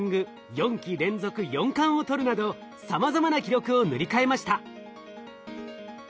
４期連続４冠を取るなどさまざまな記録を塗り替えました。